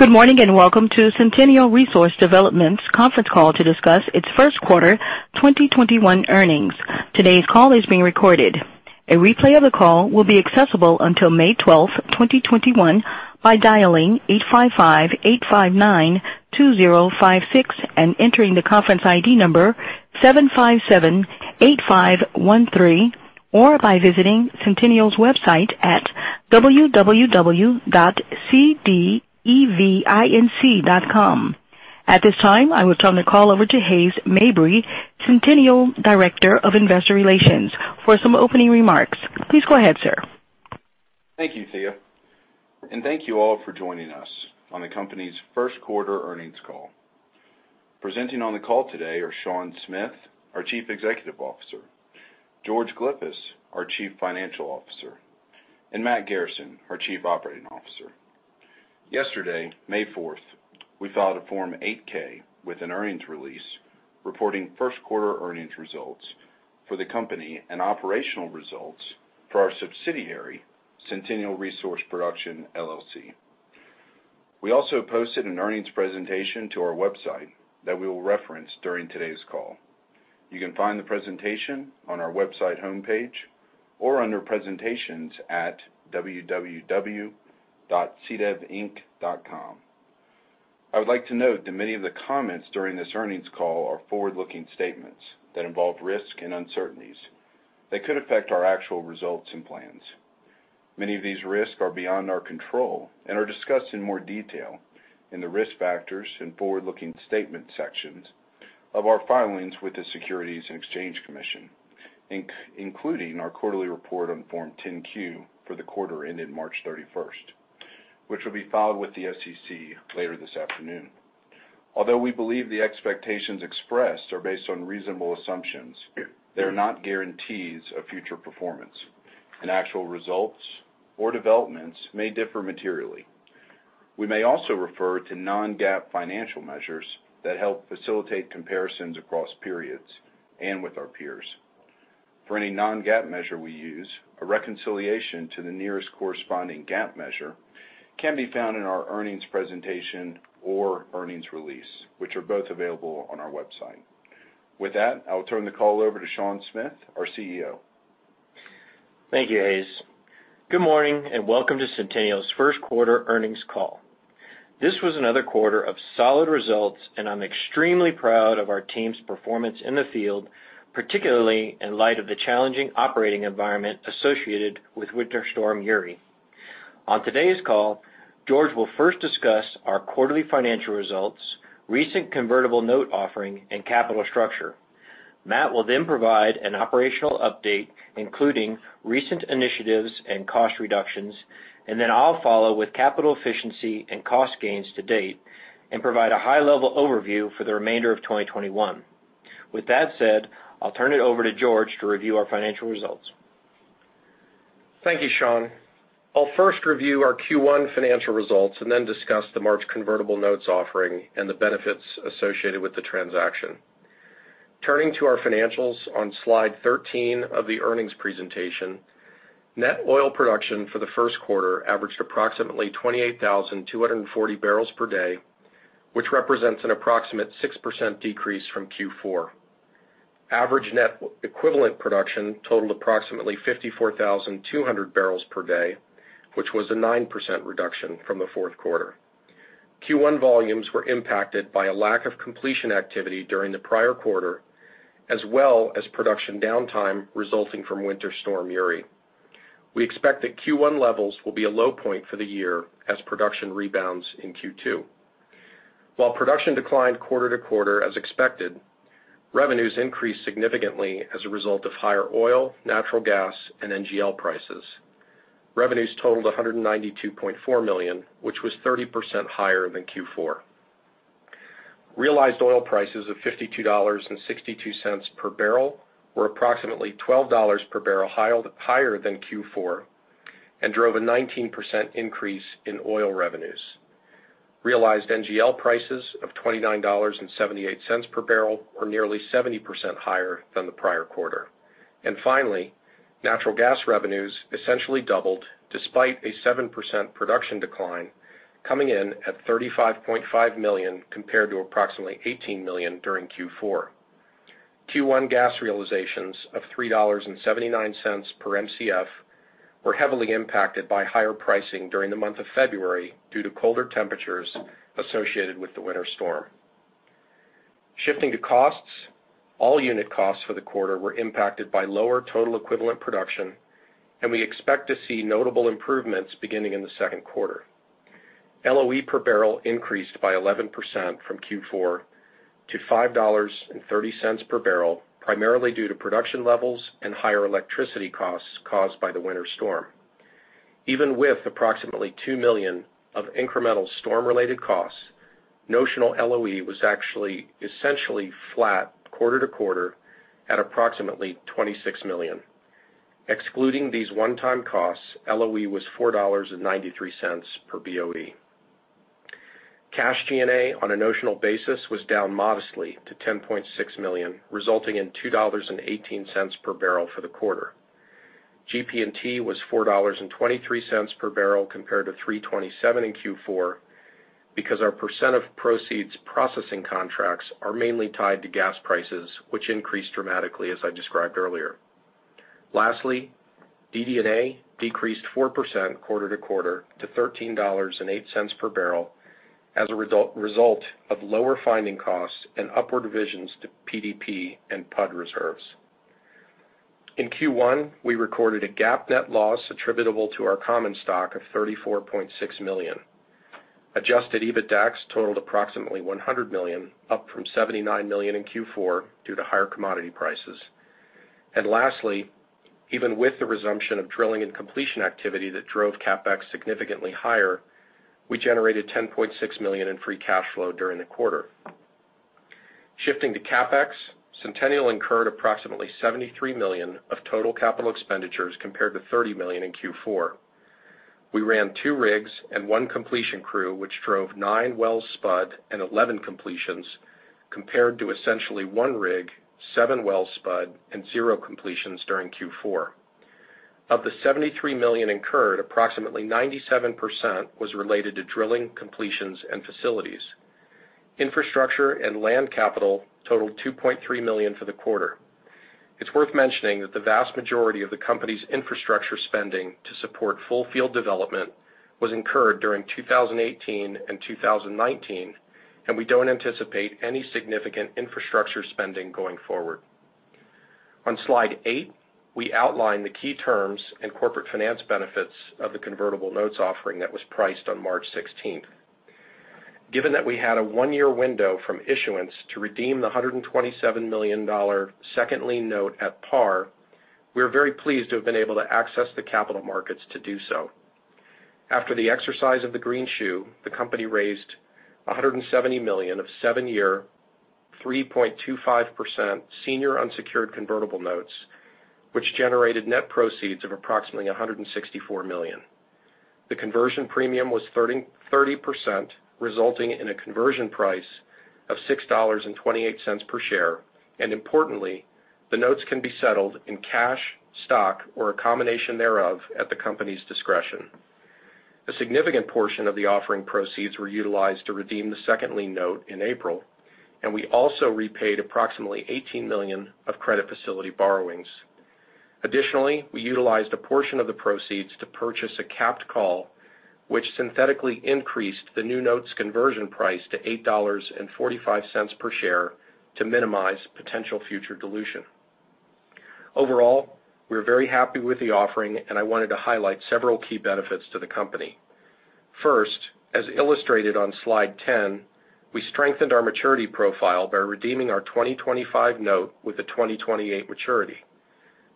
Good morning, welcome to Centennial Resource Development's conference call to discuss its first quarter 2021 earnings. Today's call is being recorded. At this time, I will turn the call over to Hays Mabry, Centennial Director of Investor Relations, for some opening remarks. Please go ahead, sir. Thank you, Thea. Thank you all for joining us on the company's first quarter earnings call. Presenting on the call today are Sean Smith, our Chief Executive Officer, George Glyphis, our Chief Financial Officer, and Matt Garrison, our Chief Operating Officer. Yesterday, May 4th, we filed a Form 8-K with an earnings release reporting first quarter earnings results for the company and operational results for our subsidiary, Centennial Resource Production, LLC. We also posted an earnings presentation to our website that we will reference during today's call. You can find the presentation on our website homepage or under presentations at www.cdevinc.com. I would like to note that many of the comments during this earnings call are forward-looking statements that involve risks and uncertainties that could affect our actual results and plans. Many of these risks are beyond our control and are discussed in more detail in the risk factors and forward-looking statement sections of our filings with the Securities and Exchange Commission, including our quarterly report on Form 10-Q for the quarter ending March 31st, which will be filed with the SEC later this afternoon. Although we believe the expectations expressed are based on reasonable assumptions, they are not guarantees of future performance, and actual results or developments may differ materially. We may also refer to non-GAAP financial measures that help facilitate comparisons across periods and with our peers. For any non-GAAP measure we use, a reconciliation to the nearest corresponding GAAP measure can be found in our earnings presentation or earnings release, which are both available on our website. With that, I will turn the call over to Sean Smith, our CEO. Thank you, Hays. Good morning and welcome to Centennial's first quarter earnings call. This was another quarter of solid results, and I'm extremely proud of our team's performance in the field, particularly in light of the challenging operating environment associated with Winter Storm Uri. On today's call, George will first discuss our quarterly financial results, recent convertible note offering, and capital structure. Matt will then provide an operational update, including recent initiatives and cost reductions, and then I'll follow with capital efficiency and cost gains to date and provide a high-level overview for the remainder of 2021. With that said, I'll turn it over to George to review our financial results. Thank you, Sean. I'll first review our Q1 financial results and then discuss the March convertible notes offering and the benefits associated with the transaction. Turning to our financials on slide 13 of the earnings presentation, net oil production for the first quarter averaged approximately 28,240 bpd which represents an approximate 6% decrease from Q4. Average net equivalent production totaled approximately 54,200 bpd, which was a 9% reduction from the fourth quarter. Q1 volumes were impacted by a lack of completion activity during the prior quarter, as well as production downtime resulting from Winter Storm Uri. We expect that Q1 levels will be a low point for the year as production rebounds in Q2. While production declined quarter to quarter as expected, revenues increased significantly as a result of higher oil, natural gas, and NGL prices. Revenues totaled $192.4 million, which was 30% higher than Q4. Realized oil prices of $52.62 per barrel were approximately $12 per barrel higher than Q4 and drove a 19% increase in oil revenues. Realized NGL prices of $29.78 per barrel were nearly 70% higher than the prior quarter. Finally, natural gas revenues essentially doubled despite a 7% production decline, coming in at $35.5 million compared to approximately $18 million during Q4. Q1 gas realizations of $3.79 per Mcf were heavily impacted by higher pricing during the month of February due to colder temperatures associated with the winter storm. Shifting to costs, all unit costs for the quarter were impacted by lower total equivalent production, and we expect to see notable improvements beginning in the second quarter. LOE per barrel increased by 11% from Q4 to $5.30 per barrel, primarily due to production levels and higher electricity costs caused by the winter storm. Even with approximately $2 million of incremental storm-related costs, notional LOE was actually essentially flat quarter to quarter at approximately $26 million. Excluding these one-time costs, LOE was $4.93 per BOE. Cash G&A on a notional basis was down modestly to $10.6 million, resulting in $2.18 per barrel for the quarter. GP&T was $4.23 per barrel compared to $3.27 in Q4, because our percent-of-proceeds processing contracts are mainly tied to gas prices, which increased dramatically, as I described earlier. Lastly, DD&A decreased 4% quarter to quarter to $13.08 per barrel as a result of lower finding costs and upward revisions to PDP and PUD reserves. In Q1, we recorded a GAAP net loss attributable to our common stock of $34.6 million. Adjusted EBITDAX totaled approximately $100 million, up from $79 million in Q4 due to higher commodity prices. Lastly, even with the resumption of drilling and completion activity that drove CapEx significantly higher, we generated $10.6 million in free cash flow during the quarter. Shifting to CapEx, Centennial incurred approximately $73 million of total capital expenditures compared to $30 million in Q4. We ran two rigs and one completion crew, which drove nine wells spud and 11 completions, compared to essentially one rig, seven wells spud, and zero completions during Q4. Of the $73 million incurred, approximately 97% was related to drilling, completions, and facilities. Infrastructure and land capital totaled $2.3 million for the quarter. It's worth mentioning that the vast majority of the company's infrastructure spending to support full field development was incurred during 2018 and 2019. We don't anticipate any significant infrastructure spending going forward. On slide eight, we outline the key terms and corporate finance benefits of the convertible notes offering that was priced on March 16th. Given that we had a one-year window from issuance to redeem the $127 million second lien note at par, we are very pleased to have been able to access the capital markets to do so. After the exercise of the greenshoe, the company raised $170 million of seven-year, 3.25% senior unsecured convertible notes, which generated net proceeds of approximately $164 million. The conversion premium was 30%, resulting in a conversion price of $6.28 per share. Importantly, the notes can be settled in cash, stock, or a combination thereof at the company's discretion. A significant portion of the offering proceeds were utilized to redeem the second lien note in April, and we also repaid approximately $18 million of credit facility borrowings. Additionally, we utilized a portion of the proceeds to purchase a capped call, which synthetically increased the new notes conversion price to $8.45 per share to minimize potential future dilution. Overall, we are very happy with the offering, and I wanted to highlight several key benefits to the company. First, as illustrated on slide 10, we strengthened our maturity profile by redeeming our 2025 note with a 2028 maturity.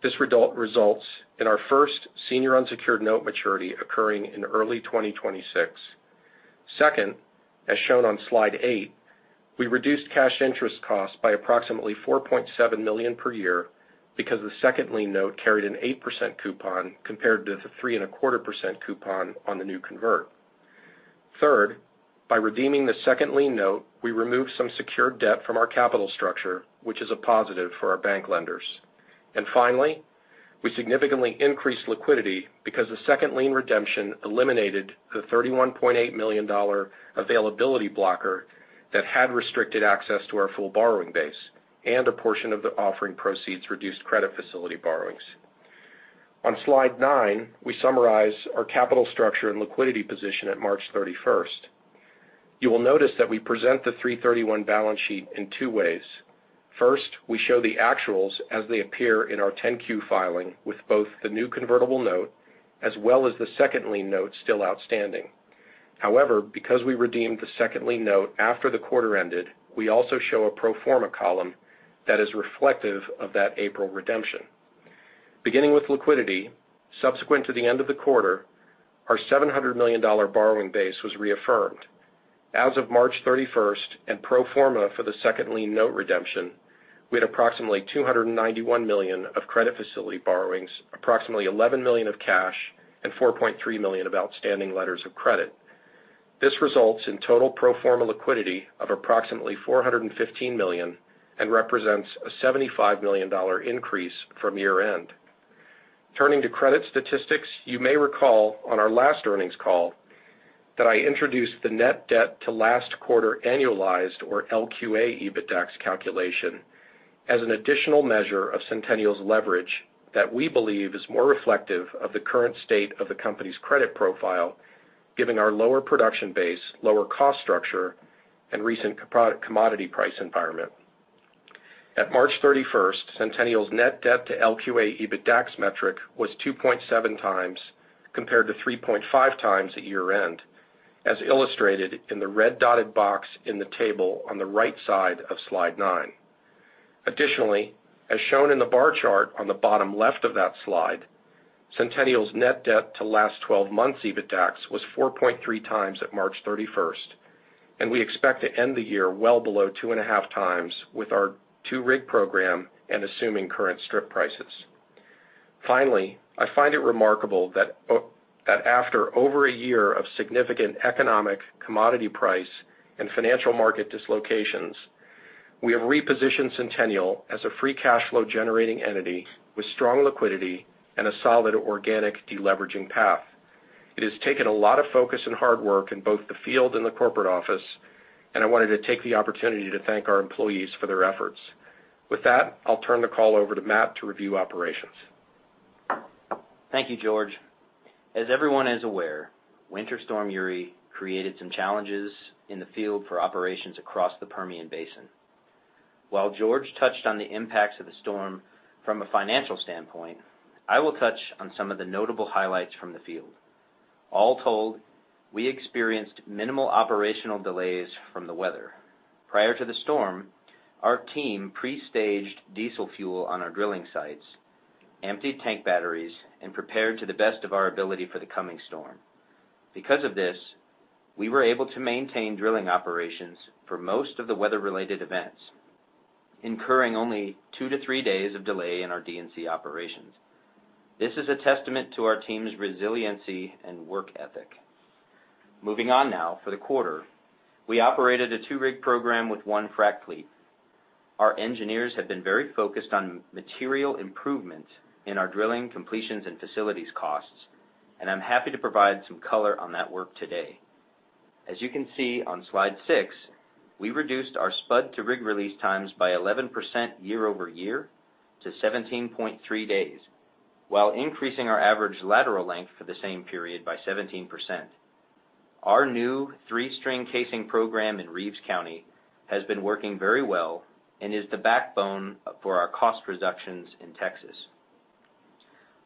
This results in our first senior unsecured note maturity occurring in early 2026. Second, as shown on slide eight, we reduced cash interest costs by approximately $4.7 million per year because the second lien note carried an 8% coupon compared to the 3.25% coupon on the new convert. Third, by redeeming the second lien note, we removed some secured debt from our capital structure, which is a positive for our bank lenders. Finally, we significantly increased liquidity because the second lien redemption eliminated the $31.8 million availability blocker that had restricted access to our full borrowing base and a portion of the offering proceeds reduced credit facility borrowings. On slide nine, we summarize our capital structure and liquidity position at March 31st. You will notice that we present the 331 balance sheet in two ways. First, we show the actuals as they appear in our 10-Q filing with both the new convertible note as well as the second lien note still outstanding. However, because we redeemed the second lien note after the quarter ended, we also show a pro forma column that is reflective of that April redemption. Beginning with liquidity, subsequent to the end of the quarter, our $700 million borrowing base was reaffirmed. As of March 31st and pro forma for the second lien note redemption, we had approximately $291 million of credit facility borrowings, approximately $11 million of cash, and $4.3 million of outstanding letters of credit. This results in total pro forma liquidity of approximately $415 million and represents a $75 million increase from year-end. Turning to credit statistics, you may recall on our last earnings call that I introduced the net debt to last quarter annualized or LQA EBITDAX calculation as an additional measure of Centennial's leverage that we believe is more reflective of the current state of the company's credit profile, given our lower production base, lower cost structure, and recent commodity price environment. At March 31st, Centennial's net debt to LQA EBITDAX metric was 2.7x, compared to 3.5x at year-end, as illustrated in the red dotted box in the table on the right side of slide nine. As shown in the bar chart on the bottom left of that slide, Centennial's net debt to last 12 months EBITDAX was 4.3x at March 31st, and we expect to end the year well below 2.5x with our two-rig program and assuming current strip prices. I find it remarkable that. That after over a year of significant economic commodity price and financial market dislocations, we have repositioned Centennial as a free cash flow-generating entity with strong liquidity and a solid organic de-leveraging path. It has taken a lot of focus and hard work in both the field and the corporate office, and I wanted to take the opportunity to thank our employees for their efforts. With that, I'll turn the call over to Matt to review operations. Thank you, George. As everyone is aware, Winter Storm Uri created some challenges in the field for operations across the Permian Basin. While George touched on the impacts of the storm from a financial standpoint, I will touch on some of the notable highlights from the field. All told, we experienced minimal operational delays from the weather. Prior to the storm, our team pre-staged diesel fuel on our drilling sites, emptied tank batteries, and prepared to the best of our ability for the coming storm. Because of this, we were able to maintain drilling operations for most of the weather-related events, incurring only two to three days of delay in our D&C operations. This is a testament to our team's resiliency and work ethic. Moving on now. For the quarter, we operated a two-rig program with one frac fleet. Our engineers have been very focused on material improvement in our drilling completions and facilities costs, and I'm happy to provide some color on that work today. As you can see on slide six, we reduced our spud to rig release times by 11% year-over-year to 17.3 days, while increasing our average lateral length for the same period by 17%. Our new three-string casing program in Reeves County has been working very well and is the backbone for our cost reductions in Texas.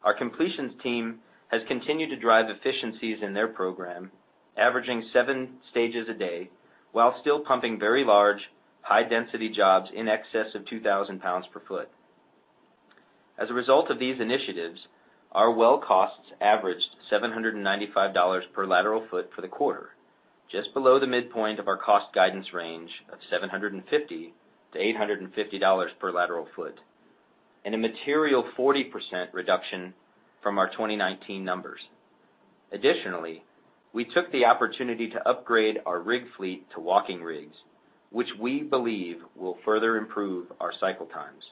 Our completions team has continued to drive efficiencies in their program, averaging seven stages a day while still pumping very large, high-density jobs in excess of 2,000 lbs per ft. As a result of these initiatives, our well costs averaged $795 per lateral foot for the quarter, just below the midpoint of our cost guidance range of $750 per lateral foot-$850 per lateral foot, and a material 40% reduction from our 2019 numbers. Additionally, we took the opportunity to upgrade our rig fleet to walking rigs, which we believe will further improve our cycle times.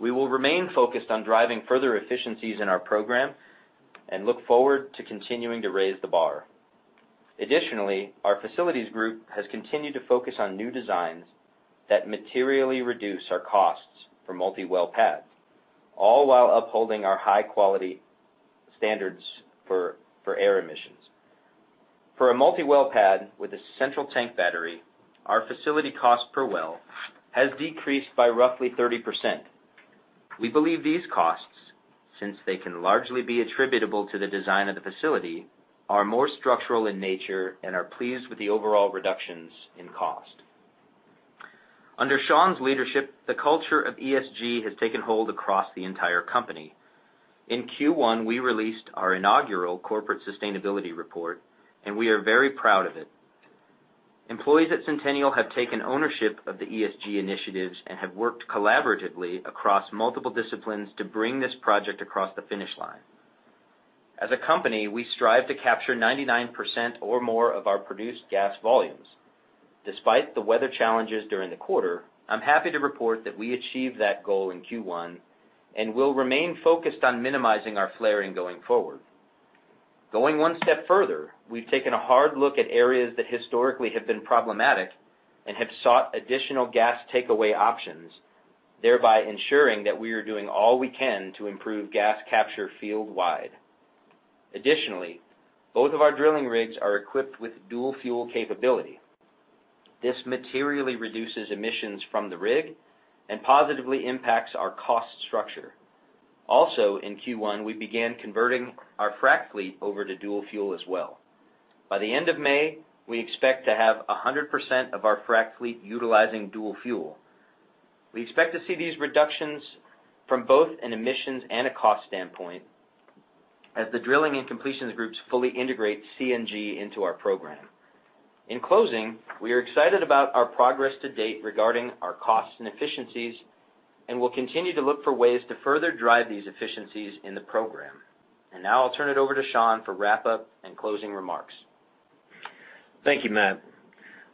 We will remain focused on driving further efficiencies in our program and look forward to continuing to raise the bar. Additionally, our facilities group has continued to focus on new designs that materially reduce our costs for multi-well pads, all while upholding our high-quality standards for air emissions. For a multi-well pad with a central tank battery, our facility cost per well has decreased by roughly 30%. We believe these costs, since they can largely be attributable to the design of the facility, are more structural in nature and are pleased with the overall reductions in cost. Under Sean's leadership, the culture of ESG has taken hold across the entire company. In Q1, we released our inaugural corporate sustainability report, and we are very proud of it. Employees at Centennial have taken ownership of the ESG initiatives and have worked collaboratively across multiple disciplines to bring this project across the finish line. As a company, we strive to capture 99% or more of our produced gas volumes. Despite the weather challenges during the quarter, I'm happy to report that we achieved that goal in Q1, and will remain focused on minimizing our flaring going forward. Going one step further, we've taken a hard look at areas that historically have been problematic and have sought additional gas takeaway options, thereby ensuring that we are doing all we can to improve gas capture field-wide. Additionally, both of our drilling rigs are equipped with dual fuel capability. This materially reduces emissions from the rig and positively impacts our cost structure. Also in Q1, we began converting our frac fleet over to dual fuel as well. By the end of May, we expect to have 100% of our frac fleet utilizing dual fuel. We expect to see these reductions from both an emissions and a cost standpoint as the drilling and completions groups fully integrate CNG into our program. In closing, we are excited about our progress to date regarding our costs and efficiencies, and will continue to look for ways to further drive these efficiencies in the program. Now I'll turn it over to Sean for wrap-up and closing remarks. Thank you, Matt.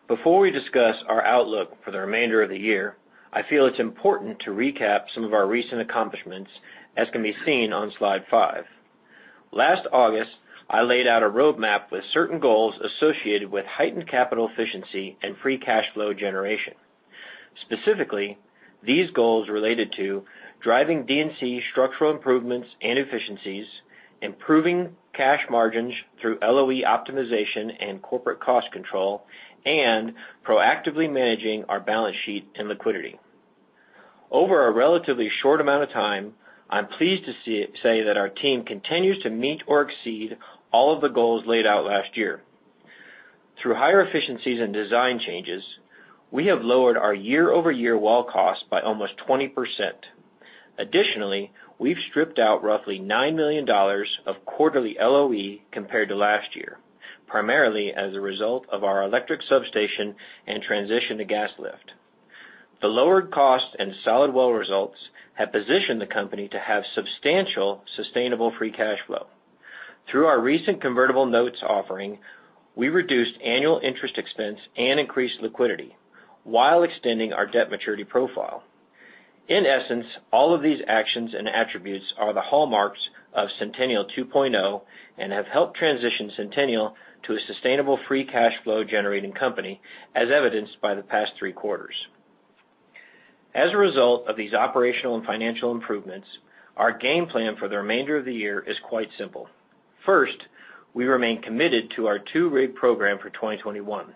Before we discuss our outlook for the remainder of the year, I feel it's important to recap some of our recent accomplishments, as can be seen on slide five. Last August, I laid out a roadmap with certain goals associated with heightened capital efficiency and free cash flow generation. Specifically, these goals related to driving D&C structural improvements and efficiencies, improving cash margins through LOE optimization and corporate cost control, and proactively managing our balance sheet and liquidity. Over a relatively short amount of time, I'm pleased to say that our team continues to meet or exceed all of the goals laid out last year. Through higher efficiencies and design changes, we have lowered our year-over-year well cost by almost 20%. Additionally, we've stripped out roughly $9 million of quarterly LOE compared to last year, primarily as a result of our electric substation and transition to gas lift. The lowered cost and solid well results have positioned the company to have substantial sustainable free cash flow. Through our recent convertible notes offering, we reduced annual interest expense and increased liquidity while extending our debt maturity profile. In essence, all of these actions and attributes are the hallmarks of Centennial 2.0 and have helped transition Centennial to a sustainable free cash flow-generating company, as evidenced by the past three quarters. As a result of these operational and financial improvements, our game plan for the remainder of the year is quite simple. First, we remain committed to our two-rig program for 2021.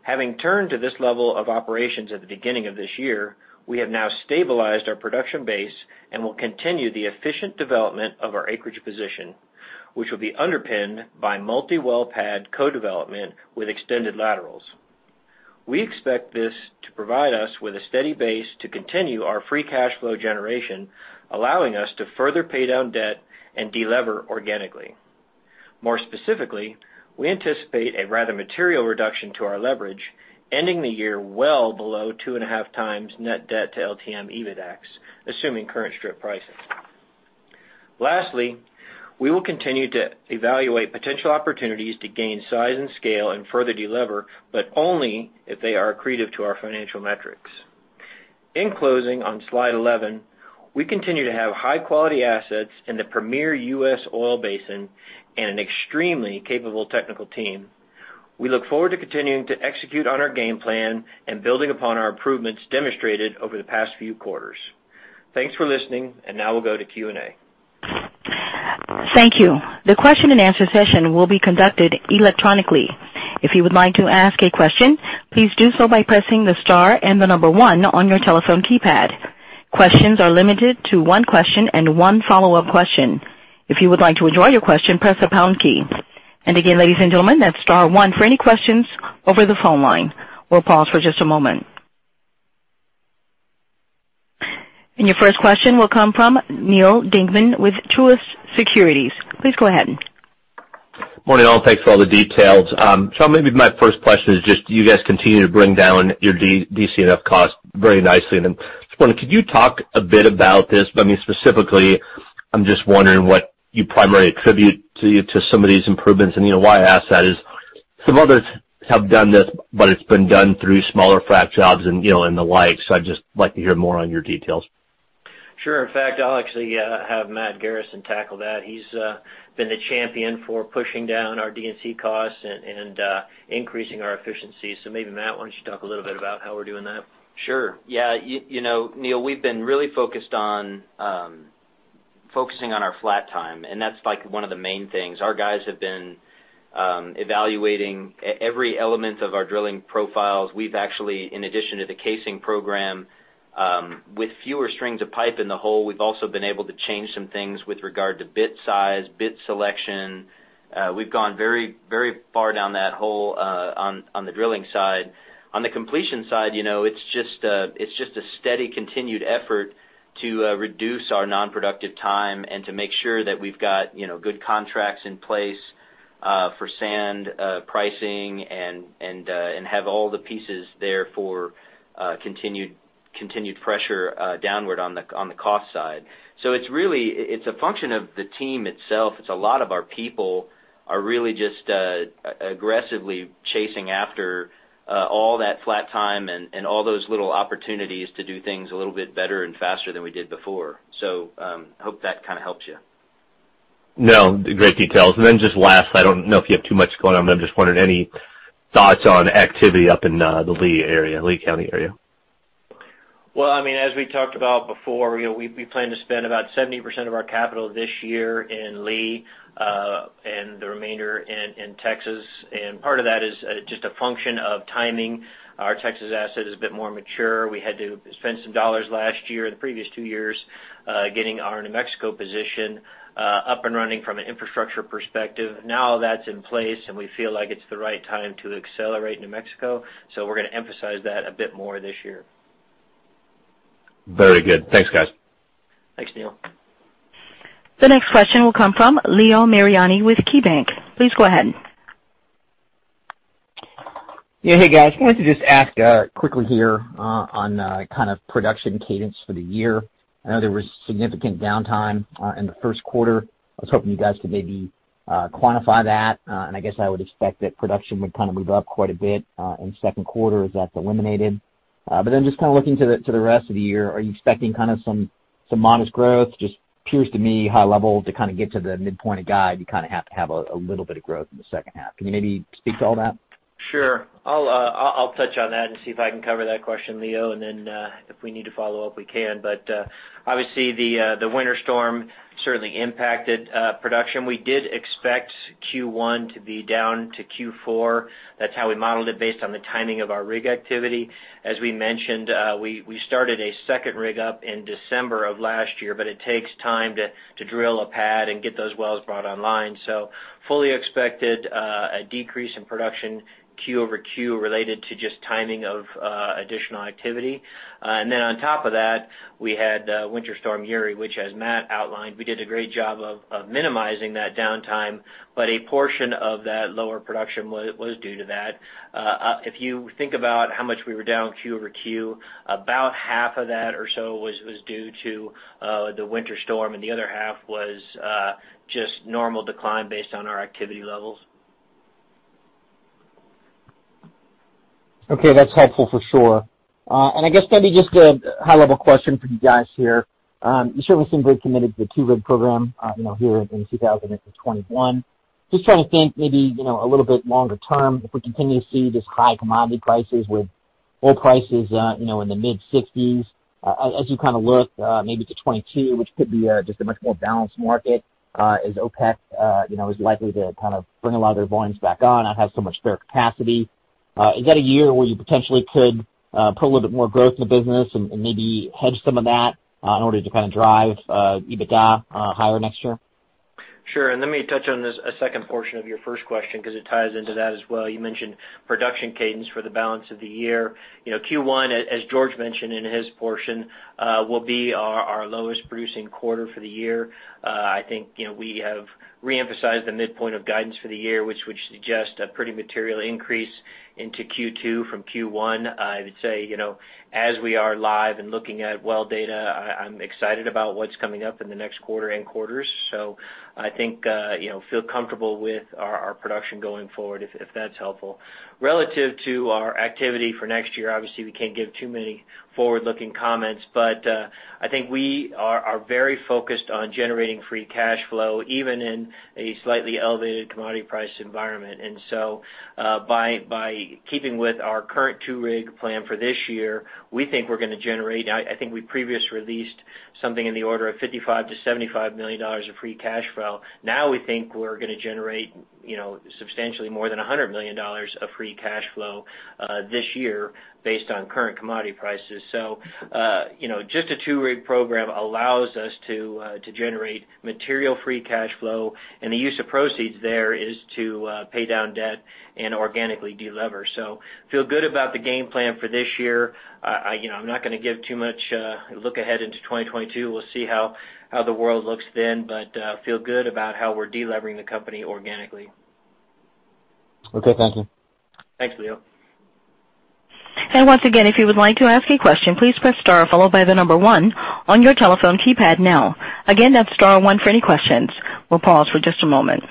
Having turned to this level of operations at the beginning of this year, we have now stabilized our production base and will continue the efficient development of our acreage position, which will be underpinned by multi-well pad co-development with extended laterals. We expect this to provide us with a steady base to continue our free cash flow generation, allowing us to further pay down debt and de-lever organically. More specifically, we anticipate a rather material reduction to our leverage, ending the year well below 2.5x net debt to LTM EBITDA, assuming current strip pricing. Lastly, we will continue to evaluate potential opportunities to gain size and scale and further de-lever, but only if they are accretive to our financial metrics. In closing, on slide 11, we continue to have high-quality assets in the premier U.S. oil basin and an extremely capable technical team. We look forward to continuing to execute on our game plan and building upon our improvements demonstrated over the past few quarters. Thanks for listening, and now we'll go to Q&A. Thank you. The question-and-answer session will be conducted electronically. If you would like to ask a question, please do so by pressing the star and the number one on your telephone keypad. Questions are limited to one question and one follow-up question. If you would like to withdraw your question, press the pound key. And again, ladies and gentlemen, that's star one for any questions over the phone line. We'll pause for just a moment. Your first question will come from Neal Dingmann with Truist Securities. Please go ahead. Morning, all. Thanks for all the details. Maybe my first question is just, you guys continue to bring down your DC&F cost very nicely and I'm just wondering, could you talk a bit about this? I mean, specifically, I'm just wondering what you primarily attribute to some of these improvements. Why I ask that is some others have done this, but it's been done through smaller frack jobs and the like. I'd just like to hear more on your details. Sure. In fact, I'll actually have Matt Garrison tackle that. He's been the champion for pushing down our D&C costs and increasing our efficiency. Maybe, Matt, why don't you talk a little bit about how we're doing that? Sure. Yeah. Neal, we've been really focused on focusing on our flat time, and that's one of the main things. Our guys have been evaluating every element of our drilling profiles. We've actually, in addition to the casing program, with fewer strings of pipe in the hole, we've also been able to change some things with regard to bit size, bit selection. We've gone very far down that hole on the drilling side. On the completion side, it's just a steady, continued effort to reduce our non-productive time and to make sure that we've got good contracts in place for sand pricing and have all the pieces there for continued pressure downward on the cost side. It's a function of the team itself. It's a lot of our people are really just aggressively chasing after all that flat time and all those little opportunities to do things a little bit better and faster than we did before. I hope that helps you. No, great details. Just last, I don't know if you have too much going on, but I'm just wondering, any thoughts on activity up in the Lea County area? Well, as we talked about before, we plan to spend about 70% of our capital this year in Lea, and the remainder in Texas. Part of that is just a function of timing. Our Texas asset is a bit more mature. We had to spend some dollars last year and the previous two years, getting our New Mexico position up and running from an infrastructure perspective. Now that's in place, and we feel like it's the right time to accelerate New Mexico. We're going to emphasize that a bit more this year. Very good. Thanks, guys. Thanks, Neal. The next question will come from Leo Mariani with KeyBanc. Please go ahead. Yeah. Hey, guys. I wanted to just ask quickly here on production cadence for the year. I know there was significant downtime in the first quarter. I was hoping you guys could maybe quantify that. I guess I would expect that production would move up quite a bit in second quarter as that's eliminated. Just looking to the rest of the year, are you expecting some modest growth? Just appears to me high level to get to the midpoint of guide, you have to have a little bit of growth in the second half. Can you maybe speak to all that? Sure. I'll touch on that and see if I can cover that question, Leo, and then, if we need to follow up, we can. Obviously the winter storm certainly impacted production. We did expect Q1 to be down to Q4. That's how we modeled it based on the timing of our rig activity. As we mentioned, we started a second rig up in December of last year, but it takes time to drill a pad and get those wells brought online. Fully expected a decrease in production quarter-over-quarter related to just timing of additional activity. On top of that, we had Winter Storm Uri, which as Matt outlined, we did a great job of minimizing that downtime. A portion of that lower production was due to that. If you think about how much we were down quarter-over-quarter, about half of that or so was due to Winter Storm Uri, and the other half was just normal decline based on our activity levels. Okay, that's helpful for sure. I guess maybe just a high-level question for you guys here. You certainly seem very committed to the two-rig program here in 2021. Just trying to think maybe a little bit longer term, if we continue to see these high commodity prices with oil prices in the mid-60s, as you look maybe to 2022, which could be just a much more balanced market as OPEC is likely to bring a lot of their volumes back on, not have so much spare capacity. Is that a year where you potentially could put a little bit more growth in the business and maybe hedge some of that in order to drive EBITDA higher next year? Sure. Let me touch on this, a second portion of your first question, because it ties into that as well. You mentioned production cadence for the balance of the year. Q1, as George mentioned in his portion, will be our lowest producing quarter for the year. I think we have re-emphasized the midpoint of guidance for the year, which would suggest a pretty material increase into Q2 from Q1. I would say, as we are live and looking at well data, I'm excited about what's coming up in the next quarter and quarters. I think, feel comfortable with our production going forward, if that's helpful. Relative to our activity for next year, obviously, we can't give too many forward-looking comments, but I think we are very focused on generating free cash flow, even in a slightly elevated commodity price environment. By keeping with our current two-rig plan for this year, we think we're going to generate. I think we previously released something in the order of $55 million-$75 million of free cash flow. We think we're going to generate substantially more than $100 million of free cash flow this year based on current commodity prices. Just a two-rig program allows us to generate material free cash flow. The use of proceeds there is to pay down debt and organically de-lever. Feel good about the game plan for this year. I'm not going to give too much look ahead into 2022. We'll see how the world looks then, but feel good about how we're de-levering the company organically. Okay, thank you. Thanks, Leo. Once again, if you would like to ask a question, please press star followed by the number one on your telephone keypad now. Again, that's star one for any questions. We'll pause for just a moment.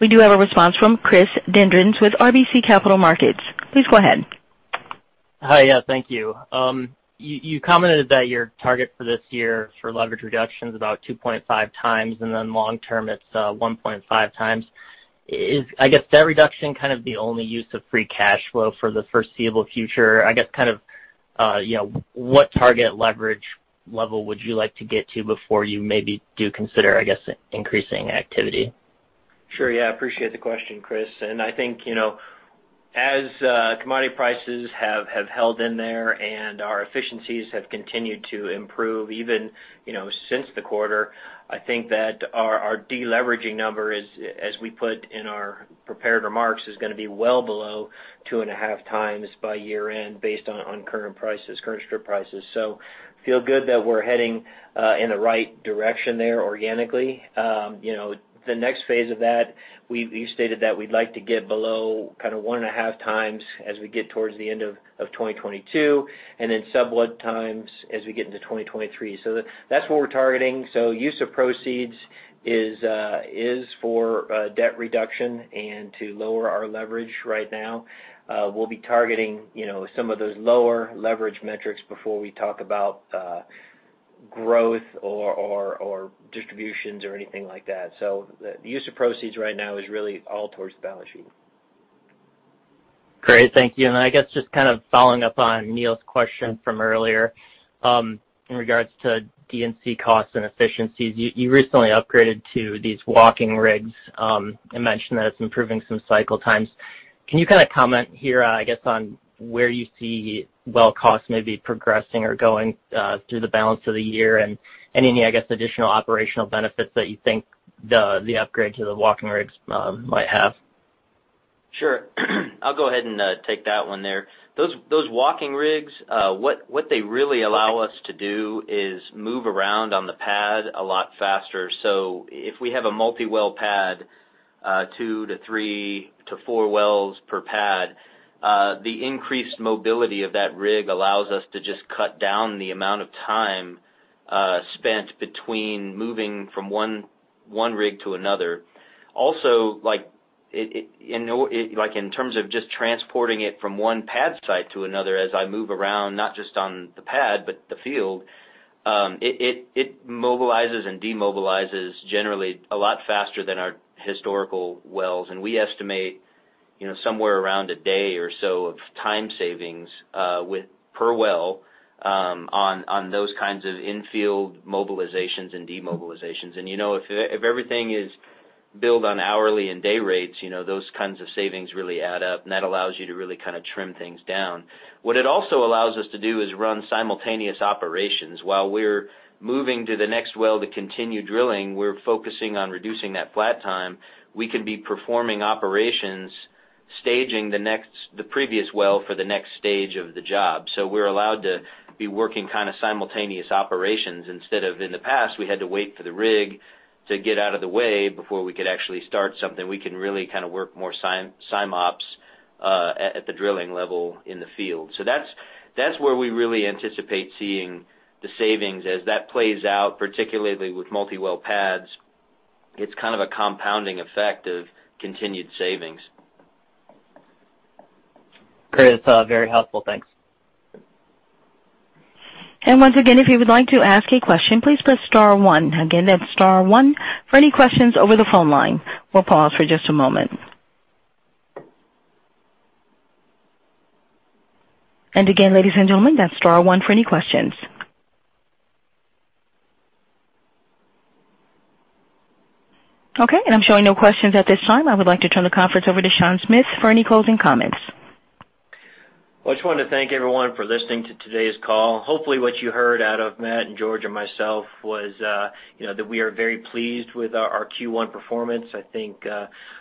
We do have a response from Chris Dendrinos with RBC Capital Markets. Please go ahead. Hi. Yeah, thank you. You commented that your target for this year for leverage reduction is about 2.5x. Long term, it's 1.5x. Is, I guess, that reduction kind of the only use of free cash flow for the foreseeable future? I guess, what target leverage level would you like to get to before you maybe do consider, I guess, increasing activity? Sure. Yeah, appreciate the question, Chris. As commodity prices have held in there and our efficiencies have continued to improve, even since the quarter, I think that our de-leveraging number, as we put in our prepared remarks, is going to be well below 2.5x by year-end based on current strip prices. Feel good that we're heading in the right direction there organically. The next phase of that, we stated that we'd like to get below 1.5x as we get towards the end of 2022, and then sub one time as we get into 2023. That's what we're targeting. Use of proceeds is for debt reduction and to lower our leverage right now. We'll be targeting some of those lower leverage metrics before we talk about growth or distributions or anything like that. The use of proceeds right now is really all towards the balance sheet. Great. Thank you. I guess just following up on Neal's question from earlier in regards to D&C costs and efficiencies. You recently upgraded to these walking rigs and mentioned that it's improving some cycle times. Can you comment here, I guess, on where you see well costs maybe progressing or going through the balance of the year? Any, I guess, additional operational benefits that you think the upgrade to the walking rigs might have? Sure. I'll go ahead and take that one there. Those walking rigs, what they really allow us to do is move around on the pad a lot faster. If we have a multi-well pad, two to three to four wells per pad, the increased mobility of that rig allows us to just cut down the amount of time spent between moving from one rig to another. Also, in terms of just transporting it from one pad site to another as I move around, not just on the pad, but the field, it mobilizes and demobilizes generally a lot faster than our historical wells. We estimate somewhere around a day or so of time savings per well on those kinds of in-field mobilizations and demobilizations. If everything is billed on hourly and day rates, those kinds of savings really add up, and that allows you to really trim things down. What it also allows us to do is run simultaneous operations. While we're moving to the next well to continue drilling, we're focusing on reducing that flat time. We can be performing operations, staging the previous well for the next stage of the job. We're allowed to be working simultaneous operations instead of in the past, we had to wait for the rig to get out of the way before we could actually start something. We can really work more SIMOPS at the drilling level in the field. That's where we really anticipate seeing the savings as that plays out, particularly with multi-well pads. It's kind of a compounding effect of continued savings. Great. That's very helpful. Thanks. Okay, I'm showing no questions at this time. I would like to turn the conference over to Sean Smith for any closing comments. I just wanted to thank everyone for listening to today's call. Hopefully, what you heard out of Matt and George and myself was that we are very pleased with our Q1 performance. I think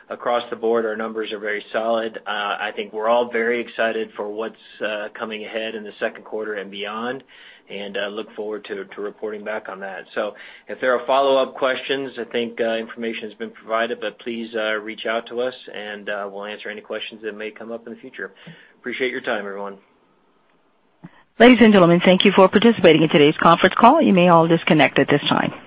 across the board, our numbers are very solid. I think we're all very excited for what's coming ahead in the second quarter and beyond, and look forward to reporting back on that. If there are follow-up questions, I think information has been provided, but please reach out to us and we'll answer any questions that may come up in the future. Appreciate your time, everyone. Ladies and gentlemen, thank you for participating in today's conference call. You may all disconnect at this time.